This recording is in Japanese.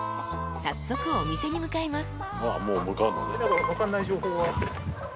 ［早速お店に向かいます］